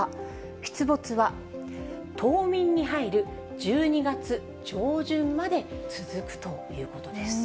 出没は、冬眠に入る１２月上旬まで続くということです。